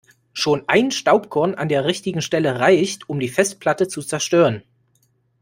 Schon ein Staubkorn an der richtigen Stelle reicht, um die Festplatte zu zerstören.